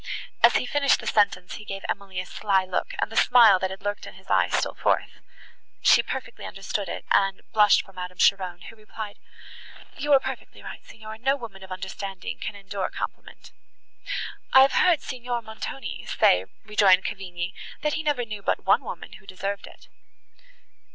As he finished the sentence he gave Emily a sly look, and the smile, that had lurked in his eye, stole forth. She perfectly understood it, and blushed for Madame Cheron, who replied, "You are perfectly right, signor, no woman of understanding can endure compliment." "I have heard Signor Montoni say," rejoined Cavigni, "that he never knew but one woman who deserved it."